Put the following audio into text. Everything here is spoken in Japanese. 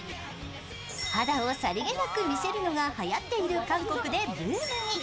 肌をさりげなく見せるのがはやっている韓国でブームに。